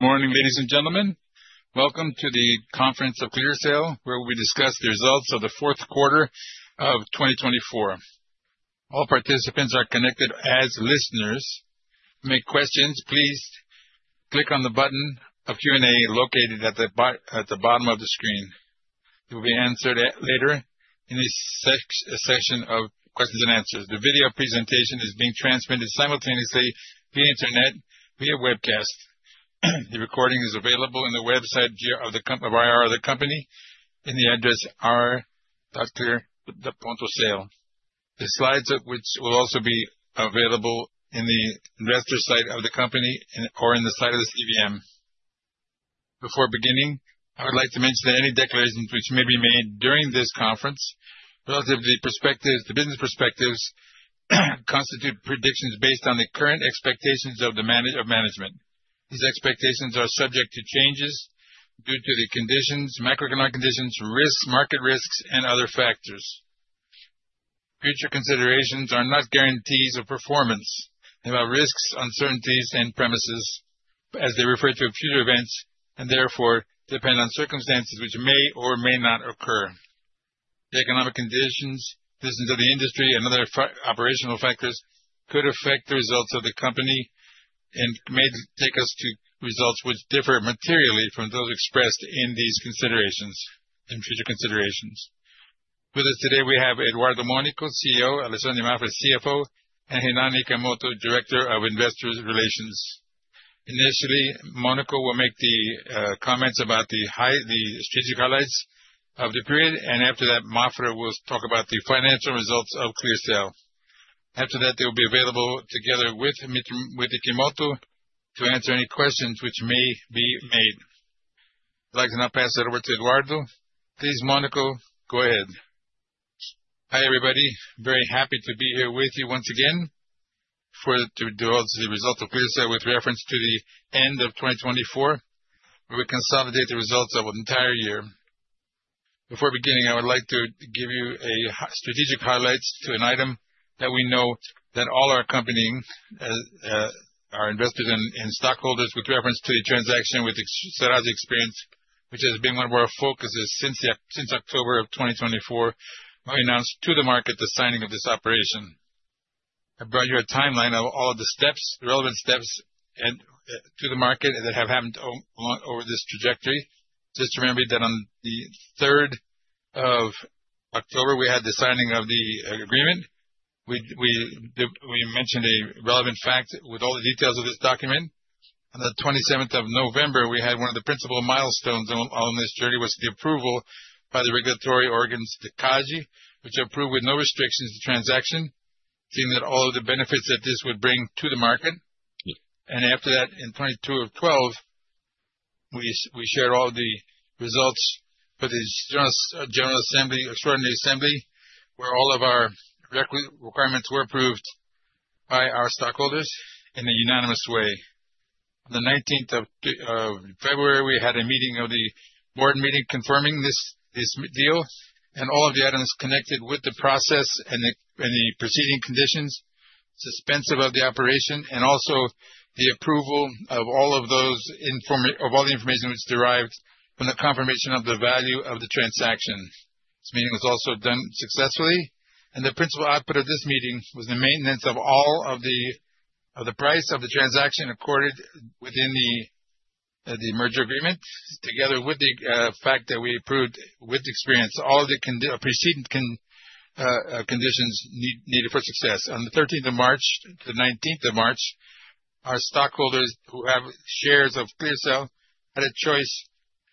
Good morning, ladies and gentlemen. Welcome to the Conference of ClearSale, where we discuss the results of the fourth quarter of 2024. All participants are connected as listeners. To make questions, please click on the button of Q&A located at the bottom of the screen. It will be answered later in a section of questions and answers. The video presentation is being transmitted simultaneously via internet via webcast. The recording is available in the website of the IR of the company in the address ri.clearsale.com.br. The slides of which will also be available in the investor site of the company or in the site of the CVM. Before beginning, I would like to mention that any declarations which may be made during this conference relative to the business perspectives constitute predictions based on the current expectations of management. These expectations are subject to changes due to the conditions, macroeconomic conditions, market risks, and other factors. Future considerations are not guarantees of performance. There are risks, uncertainties, and premises as they refer to future events and therefore depend on circumstances which may or may not occur. The economic conditions, listen to the industry, and other operational factors could affect the results of the company and may take us to results which differ materially from those expressed in these considerations and future considerations. With us today, we have Eduardo Monaco, CEO, Alessandro Mafra, CFO, and Renan Kimoto, Director of Investor Relations. Initially, Monaco will make the comments about the strategic highlights of the period, and after that, Mafra will talk about the financial results of ClearSale. After that, they will be available together with Kimoto to answer any questions which may be made. I'd like to now pass it over to Eduardo. Please, Monaco, go ahead. Hi everybody. Very happy to be here with you once again for. To deal with the results of ClearSale with reference to the end of 2024, where we consolidate the results of the entire year. Before beginning, I would like to give you a strategic highlight to an item that we know that all our accompanying our investors and stockholders with reference to the transaction with Serasa Experian, which has been one of our focuses since October of 2024, announced to the market the signing of this operation. I brought you a timeline of all of the steps, relevant steps to the market that have happened over this trajectory. Just remember that on the third of October, we had the signing of the agreement. We mentioned a relevant fact with all the details of this document. On the 27th of November, we had one of the principal milestones on this journey was the approval by the regulatory organs, the CADE, which approved with no restrictions the transaction, seeing that all of the benefits that this would bring to the market. After that, on the 22nd of December, we shared all the results with the General Assembly, Extraordinary Assembly, where all of our requirements were approved by our stockholders in a unanimous way. On the 19th of February, we had a meeting of the board meeting confirming this deal and all of the items connected with the process and the proceeding conditions, suspensive of the operation, and also the approval of all of those, of all the information which derived from the confirmation of the value of the transaction. This meeting was also done successfully. The principal output of this meeting was the maintenance of all of the price of the transaction accorded within the merger agreement, together with the fact that we approved with Experian all of the precedent conditions needed for success. On the 13th of March, the 19th of March, our stockholders who have shares of ClearSale had a choice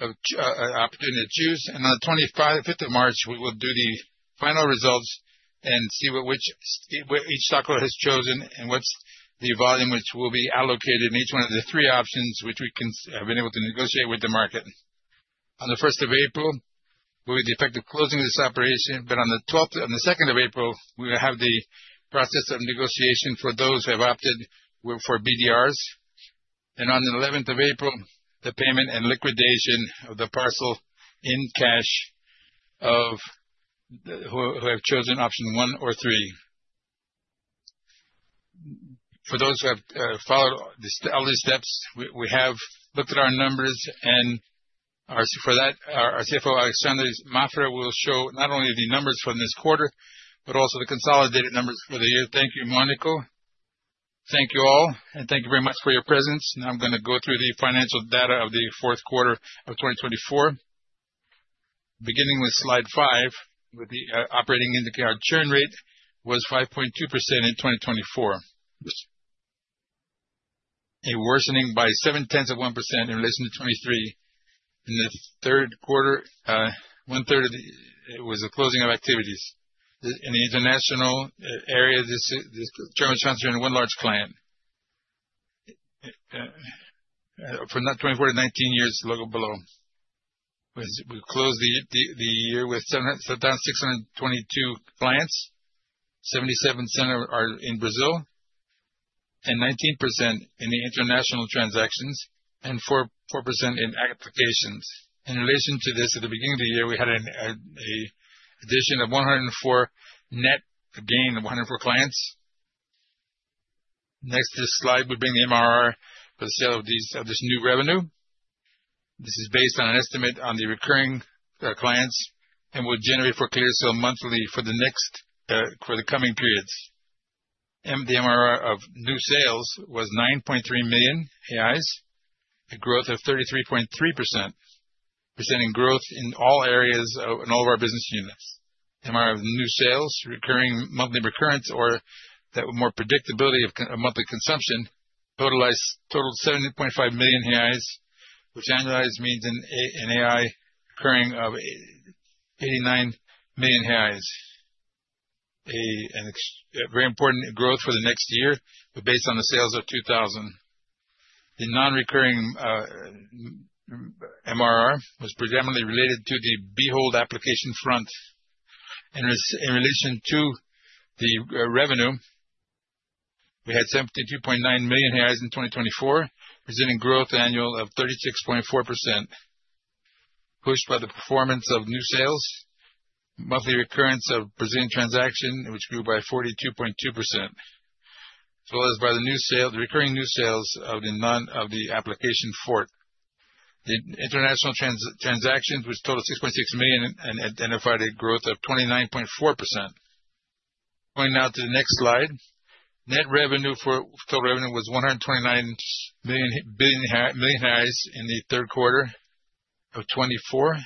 of opportunity to choose. On the 25th of March, we will do the final results and see which each stockholder has chosen and what is the volume which will be allocated in each one of the three options which we have been able to negotiate with the market. On the 1st of April, it will be the effective closing of this operation. On the 2nd of April, we will have the process of negotiation for those who have opted for BDRs. On the 11th of April, the payment and liquidation of the parcel in cash of who have chosen option one or three. For those who have followed all these steps, we have looked at our numbers and for that, our CFO, Alessandro Mafra, will show not only the numbers from this quarter, but also the consolidated numbers for the year. Thank you, Monaco. Thank you all, and thank you very much for your presence. Now I'm going to go through the financial data of the fourth quarter of 2024. Beginning with slide five, with the operating indicator churn rate was 5.2% in 2024, a worsening by 7/10 of 1% in relation to 2023. In the third quarter, one third of it was the closing of activities. In the international area, this is the churn of transferring one large client that for 24 to 19 years, logo below. We closed the year with 7,622 clients, 77% are in Brazil, and 19% in the international transactions, and 4% in applications. In relation to this, at the beginning of the year, we had an addition of 104 net gain of 104 clients. Next slide will bring the MRR for the sale of this new revenue. This is based on an estimate on the recurring clients and will generate for ClearSale monthly for the coming periods. The MRR of new sales was 9.3 million reais, a growth of 33.3%, presenting growth in all areas in all of our business units. MRR of new sales, recurring monthly recurrence or that were more predictability of monthly consumption, totals 7.5 million reais, which annualized means a BRL recurring of 89 million reais. A very important growth for the next year based on the sales of 2000. The non-recurring MRR was predominantly related to the the whole application front. In relation to the revenue, we had 72.9 million reais in 2024, presenting growth annual of 36.4%, pushed by the performance of new sales, monthly recurrence of Brazilian transaction, which grew by 42.2%, as well as by the recurring new sales of the Application Fraud. The international transactions which totaled 6.6 million identified a growth of 29.4%. Going now to the next slide, net revenue for total revenue was 129 million in the third quarter of 2024,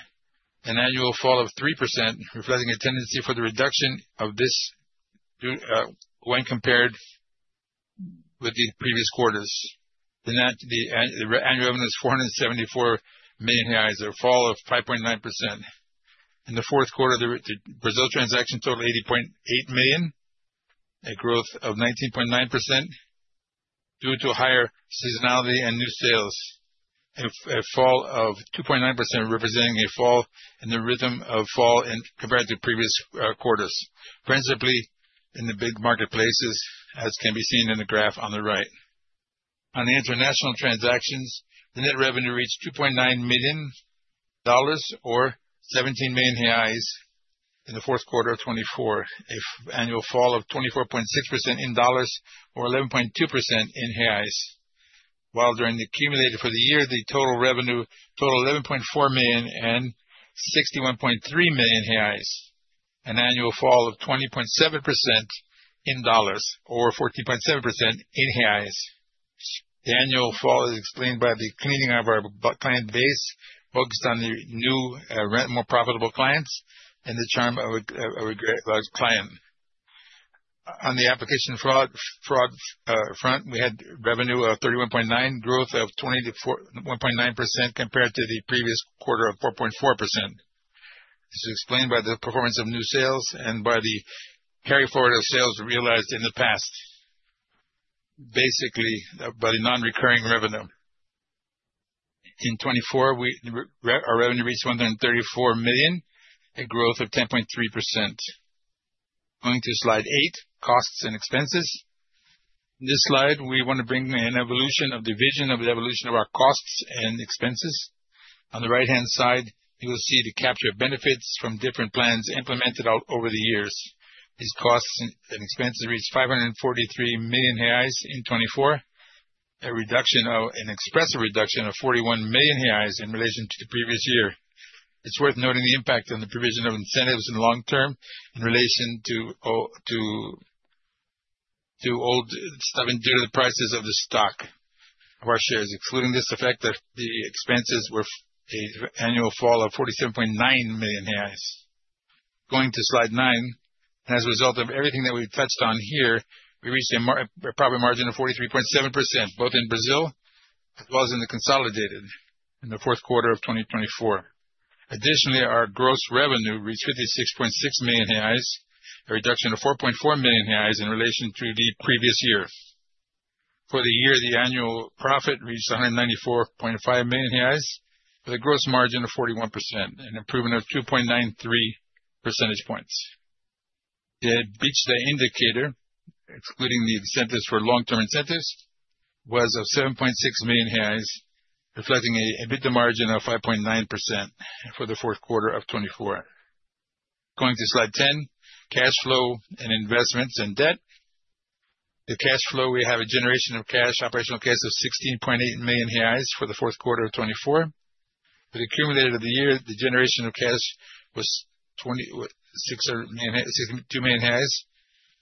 an annual fall of 3%, reflecting a tendency for the reduction of this when compared with the previous quarters. The annual revenue is 474 million reais, a fall of 5.9%. In the fourth quarter, the Brazil transaction totaled 80.8 million, a growth of 19.9% due to higher seasonality and new sales, a fall of 2.9%, representing a fall in the rhythm of fall compared to previous quarters, principally in the big marketplaces, as can be seen in the graph on the right. On the international transactions, the net revenue reached $2.9 million or 17 million reais in the fourth quarter of 2024, an annual fall of 24.6% in dollars or 11.2% in reais, while during the cumulative for the year, the total revenue totaled $11.4 million and 61.3 million reais, an annual fall of 20.7% in dollars or 14.7% in reais. The annual fall is explained by the cleaning of our client base, focused on the new, more profitable clients and the churn of a great client. On the Application Fraud front, we had revenue of 31.9 million, growth of 21.9% compared to the previous quarter of 4.4%. This is explained by the performance of new sales and by the carry forward of sales realized in the past, basically by the non-recurring revenue. In 2024, our revenue reached 134 million, a growth of 10.3%. Going to slide eight, costs and expenses. In this slide, we want to bring an evolution of the vision of the evolution of our costs and expenses. On the right-hand side, you will see the capture of benefits from different plans implemented over the years. These costs and expenses reached 543 million reais in 2024, a reduction of an expressive reduction of 41 million reais in relation to the previous year. It's worth noting the impact on the provision of incentives in the long term in relation to old stuff due to the prices of the stock of our shares, excluding this effect that the expenses were an annual fall of 47.9 million reais. Going to slide nine, as a result of everything that we've touched on here, we reached a profit margin of 43.7%, both in Brazil as well as in the consolidated in the fourth quarter of 2024. Additionally, our gross revenue reached 56.6 million reais, a reduction of 4.4 million reais in relation to the previous year. For the year, the annual profit reached 194.5 million reais with a gross margin of 41%, an improvement of 2.93 percentage points. The EBITDA indicator, excluding the incentives for long-term incentives, was 7.6 million reais, reflecting an EBITDA margin of 5.9% for the fourth quarter of 2024. Going to slide 10, cash flow and investments and debt. The cash flow, we have a generation of cash, operational cash of 16.8 million reais for the fourth quarter of 2024. With the cumulative of the year, the generation of cash was 26 million,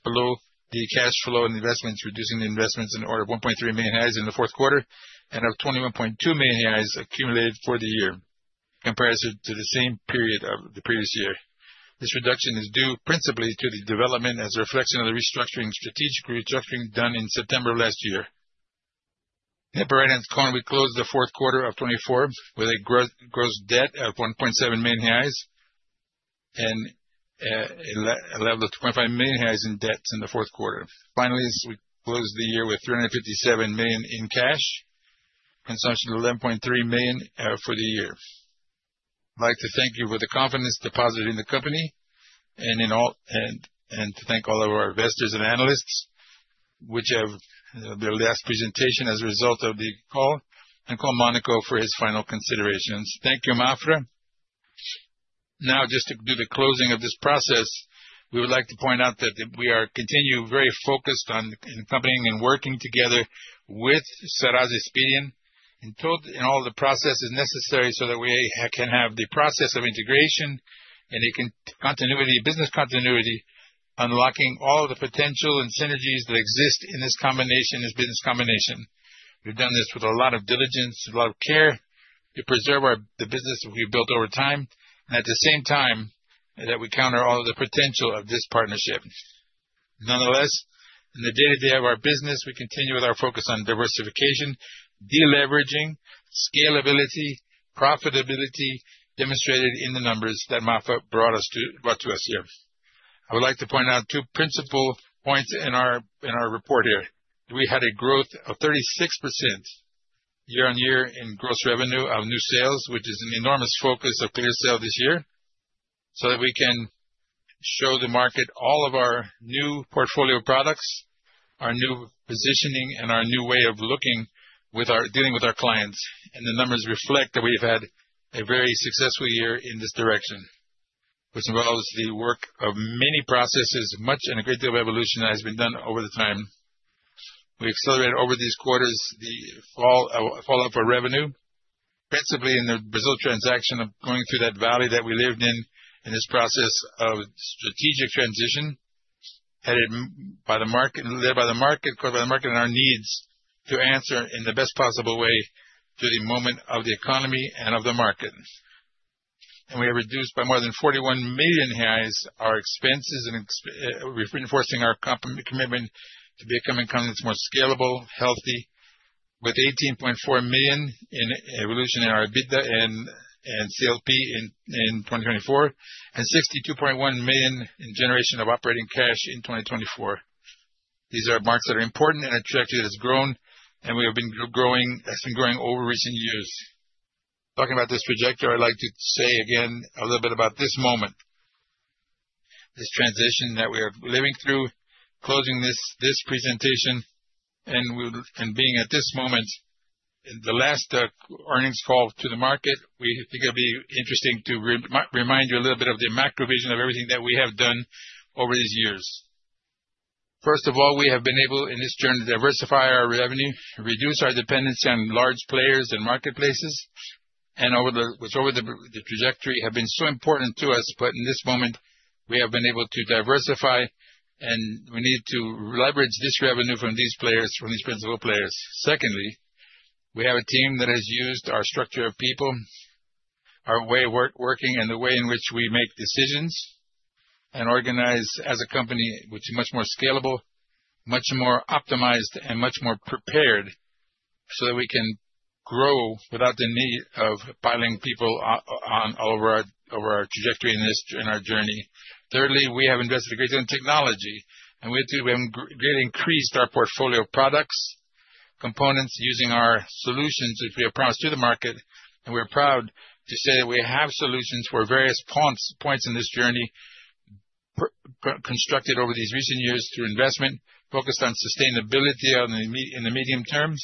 below the cash flow and investments, reducing the investments in order of 1.3 million in the fourth quarter and of 21.2 million accumulated for the year, comparison to the same period of the previous year. This reduction is due principally to the development as a reflection of the restructuring, strategic restructuring done in September of last year. At the right-hand corner, we closed the fourth quarter of 2024 with a gross debt of 1.7 million reais and a level of 2.5 million reais in debts in the fourth quarter. Finally, we closed the year with 357 million in cash, consumption of 11.3 million for the year. I'd like to thank you for the confidence deposited in the company and to thank all of our investors and analysts, which have their last presentation as a result of the call and call Monaco for his final considerations. Thank you, Mafra. Now, just to do the closing of this process, we would like to point out that we are continuing very focused on accompanying and working together with Serasa Experian in all the processes necessary so that we can have the process of integration and the continuity, business continuity, unlocking all the potential and synergies that exist in this combination as business combination. We've done this with a lot of diligence, a lot of care to preserve the business we built over time, and at the same time, that we counter all of the potential of this partnership. Nonetheless, in the day-to-day of our business, we continue with our focus on diversification, deleveraging, scalability, profitability demonstrated in the numbers that Mafra brought to us here. I would like to point out two principal points in our report here. We had a growth of 36% year on year in gross revenue of new sales, which is an enormous focus of ClearSale this year, so that we can show the market all of our new portfolio products, our new positioning, and our new way of looking with our dealing with our clients. The numbers reflect that we have had a very successful year in this direction, which involves the work of many processes, much and a great deal of evolution that has been done over the time. We accelerated over these quarters the fallout for revenue, principally in the Brazil transaction of going through that valley that we lived in, in this process of strategic transition, headed by the market, led by the market, caught by the market, and our needs to answer in the best possible way to the moment of the economy and of the market. We have reduced by more than 41 million reais our expenses and reinforcing our commitment to becoming more scalable, healthy, with 18.4 million in evolution in our EBITDA and LLP in 2024, and 62.1 million in generation of operating cash in 2024. These are marks that are important and a trajectory that has grown, and we have been growing, has been growing over recent years. Talking about this trajectory, I'd like to say again a little bit about this moment, this transition that we are living through, closing this presentation and being at this moment in the last earnings call to the market. We think it'd be interesting to remind you a little bit of the macro vision of everything that we have done over these years. First of all, we have been able in this journey to diversify our revenue, reduce our dependency on large players and marketplaces, which over the trajectory have been so important to us. In this moment, we have been able to diversify, and we need to leverage this revenue from these players, from these principal players. Secondly, we have a team that has used our structure of people, our way of working, and the way in which we make decisions and organize as a company, which is much more scalable, much more optimized, and much more prepared so that we can grow without the need of piling people on over our trajectory in our journey. Thirdly, we have invested a great deal in technology, and we have greatly increased our portfolio products, components using our solutions, which we have promised to the market. We are proud to say that we have solutions for various points in this journey constructed over these recent years through investment, focused on sustainability in the medium terms,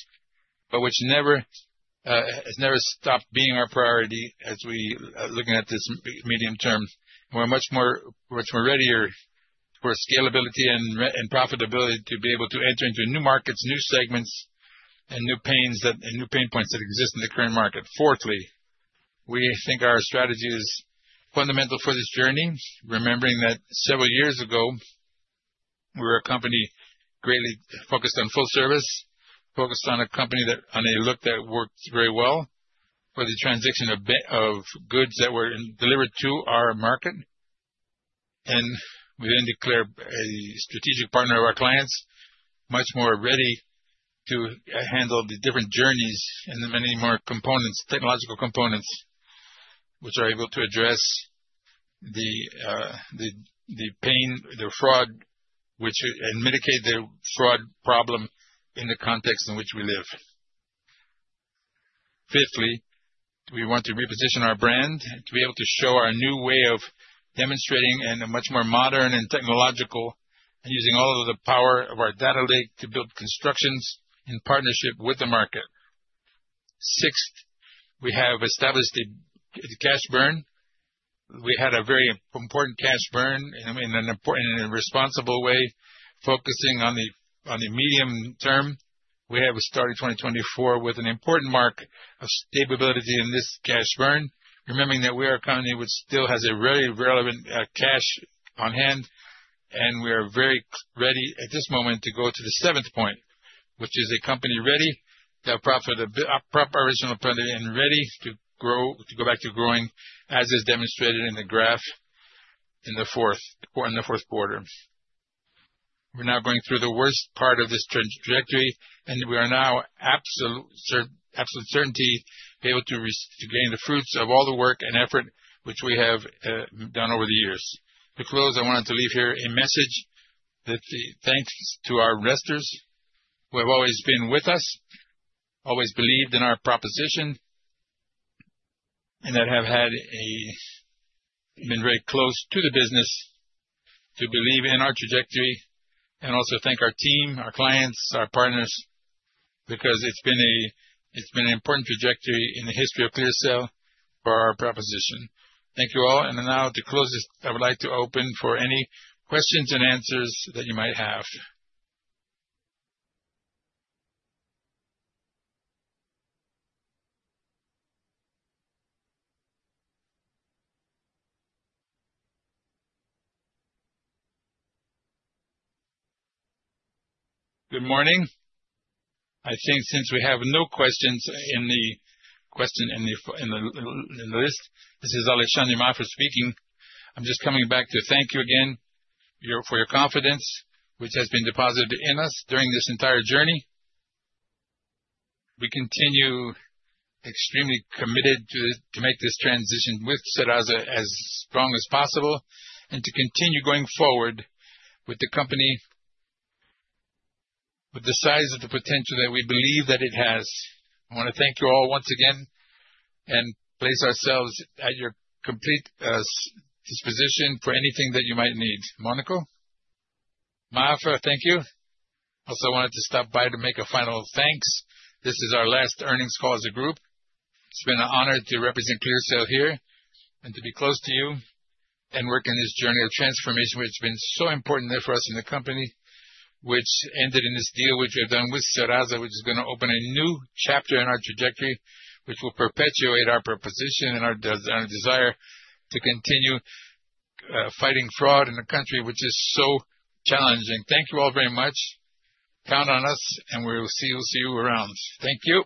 but which has never stopped being our priority as we are looking at this medium term. We're much more ready for scalability and profitability to be able to enter into new markets, new segments, and new pains and new pain points that exist in the current market. Fourthly, we think our strategy is fundamental for this journey, remembering that several years ago, we were a company greatly focused on full service, focused on a company that on a look that worked very well for the transition of goods that were delivered to our market. We then declare a strategic partner of our clients, much more ready to handle the different journeys and the many more components, technological components, which are able to address the pain, the fraud, and mitigate the fraud problem in the context in which we live. Fifthly, we want to reposition our brand to be able to show our new way of demonstrating and a much more modern and technological and using all of the power of our data lake to build constructions in partnership with the market. Sixth, we have established the cash burn. We had a very important cash burn in an important and responsible way, focusing on the medium term. We have started 2024 with an important mark of stable ability in this cash burn, remembering that we are a company which still has a very relevant cash on hand, and we are very ready at this moment to go to the seventh point, which is a company ready to proper original plan and ready to grow, to go back to growing, as is demonstrated in the graph in the fourth quarter, in the fourth quarter. We're now going through the worst part of this trajectory, and we are now absolute certainty able to gain the fruits of all the work and effort which we have done over the years. To close, I wanted to leave here a message that thanks to our investors, who have always been with us, always believed in our proposition, and that have had a been very close to the business, to believe in our trajectory, and also thank our team, our clients, our partners, because it's been an important trajectory in the history of ClearSale for our proposition. Thank you all. To close, I would like to open for any questions and answers that you might have. Good morning. I think since we have no questions in the question in the list, this is Alessandro Mafra speaking. I'm just coming back to thank you again for your confidence, which has been deposited in us during this entire journey. We continue extremely committed to make this transition with Serasa Experian as strong as possible and to continue going forward with the company with the size of the potential that we believe that it has. I want to thank you all once again and place ourselves at your complete disposition for anything that you might need. Monaco. Mafra, thank you. Also, I wanted to stop by to make a final thanks. This is our last earnings call as a group. It's been an honor to represent ClearSale here and to be close to you and work in this journey of transformation, which has been so important there for us in the company, which ended in this deal which we have done with Serasa Experian, which is going to open a new chapter in our trajectory, which will perpetuate our proposition and our desire to continue fighting fraud in a country which is so challenging. Thank you all very much. Count on us, and we will see you around. Thank you.